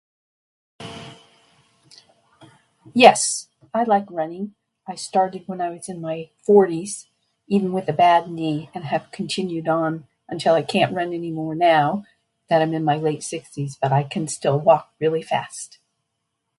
Yes, I like running. I started when I was in my forties, even with a bad knee, and have continued on until I can't run anymore now that I am in my late sixties. But, I can still walk really fast.